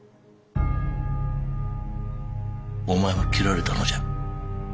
お前も斬られたのじゃ。